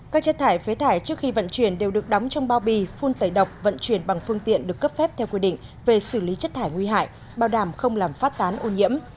các chất thải phế thải trước khi vận chuyển đều được đóng trong bao bì phun tẩy độc vận chuyển bằng phương tiện được cấp phép theo quy định về xử lý chất thải nguy hại bảo đảm không làm phát tán ô nhiễm